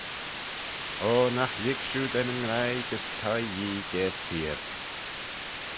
O, Nagh lhig shiu da nyn graih gys thie Yee gaase feayr.